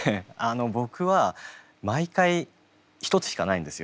僕は毎回一つしかないんですよ。